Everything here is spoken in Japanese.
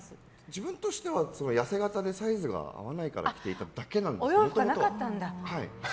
自分としては痩せ形でサイズが合わないから着ていただけで。